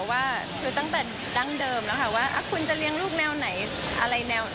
ว่าคือตั้งแต่ดั้งเดิมแล้วค่ะว่าคุณจะเลี้ยงลูกแนวไหนอะไรแนวไหน